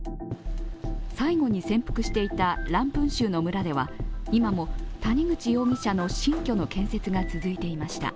最後に潜伏していたランプン州の村では今も谷口容疑者の新居の建設が続いていました。